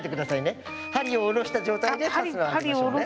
針を下ろした状態でファスナー上げましょうね。